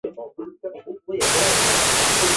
马拉维莱尔。